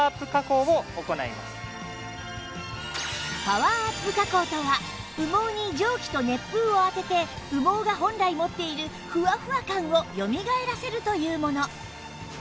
パワーアップ加工とは羽毛に蒸気と熱風を当てて羽毛が本来持っているふわふわ感をよみがえらせるというもの